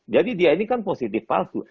jadi dia ini kan positif falsu